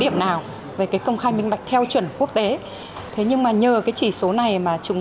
điểm nào về cái công khai minh bạch theo chuẩn quốc tế thế nhưng mà nhờ cái chỉ số này mà chúng